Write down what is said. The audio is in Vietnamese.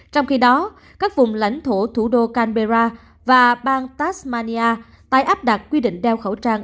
trong khi đó các vùng lãnh thổ thủ đô canberra và bang tasmania tái áp đặt quy định đeo khẩu trang